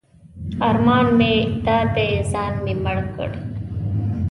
ارمان مې دا دی ځان مې مړ کړ.